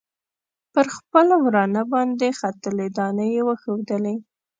پر خپل ورانه باندې ختلي دانې یې وښودلې.